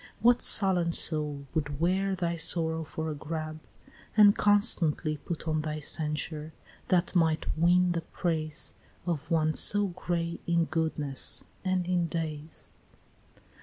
what sullen soul would wear Thy sorrow for a garb, and constantly Put on thy censure, that might win the praise Of one so gray in goodness and in days?